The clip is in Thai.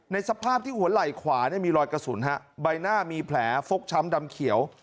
สภาพที่หัวไหล่ขวามีรอยกระสุนใบหน้ามีแผลฟกช้ำดำเขียว